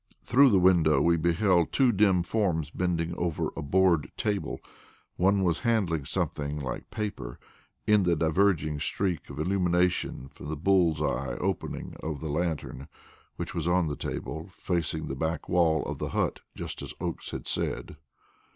Through the window we beheld two dim forms bending over a board table. One was handling something like paper, in the diverging streak of illumination from the bull's eye opening of the lantern, which was on the table, facing the back wall of the hut, just as Oakes had said.